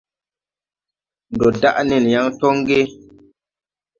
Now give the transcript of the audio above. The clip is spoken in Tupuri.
Ndo daʼ nen yaŋ toŋ ge ?